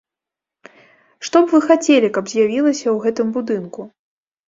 Што б вы хацелі, каб з'явілася ў гэтым будынку?